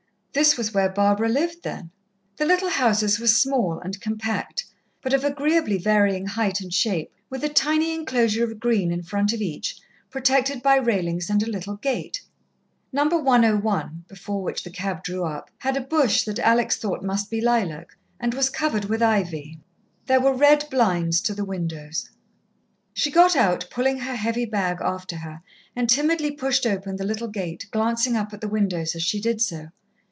This was where Barbara lived, then. The little houses were small and compact, but of agreeably varying height and shape, with a tiny enclosure of green in front of each, protected by railings and a little gate. No. 101, before which the cab drew up, had a bush that Alex thought must be lilac, and was covered with ivy. There were red blinds to the windows. She got out, pulling her heavy bag after her, and timidly pushed open the little gate, glancing up at the windows as she did so.